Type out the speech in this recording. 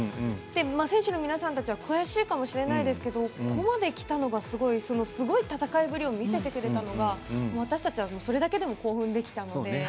選手の皆さんたちは悔しいかもしれないですけどここまできたのがすごい戦いぶりを見せてくれたのが私たちは、それだけでも興奮できたので。